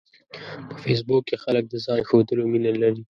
په فېسبوک کې خلک د ځان ښودلو مینه لري